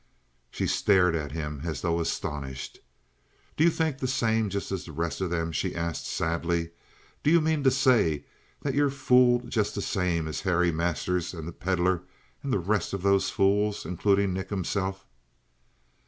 She stared at him as though astonished. "Do you think just the same as the rest of them?" she asked sadly. "Do you mean to say that you're fooled just the same as Harry Masters and the Pedlar and the rest of those fools including Nick himself?"